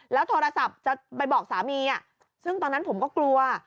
โทรศัพท์จะไปบอกสามีซึ่งตอนนั้นผมก็กลัว